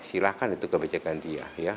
silakan itu kebijakan dia